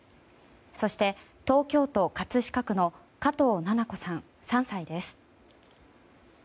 そして東京都葛飾区の加藤七菜子さん、３歳です。